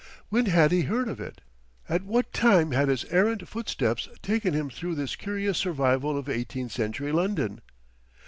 When had he heard of it? At what time had his errant footsteps taken him through this curious survival of Eighteenth Century London?